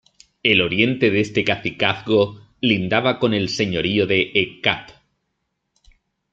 El oriente de este cacicazgo lindaba con el señorío de Ekab.